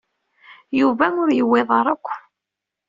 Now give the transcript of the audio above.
Yuba ur d-yewwiḍ ara akk.